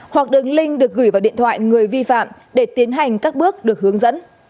hoặc đường link được gửi vào điện thoại người vi phạm để tiến hành các bước được hướng dẫn